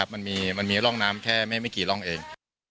มันมีร่องน้ำแค่ไม่กี่ร่องเอง